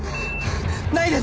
ないです！